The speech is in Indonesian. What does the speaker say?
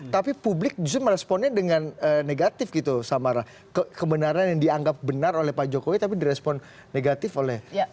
tapi publik justru meresponnya dengan negatif gitu sama kebenaran yang dianggap benar oleh pak jokowi tapi direspon negatif oleh